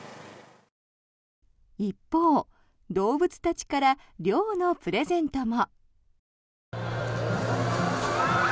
一方、動物たちから涼のプレゼントも。